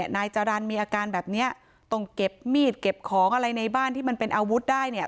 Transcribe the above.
นายจรรย์มีอาการแบบเนี้ยต้องเก็บมีดเก็บของอะไรในบ้านที่มันเป็นอาวุธได้เนี่ย